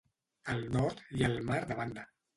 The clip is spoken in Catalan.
Al nord hi ha el mar de Banda.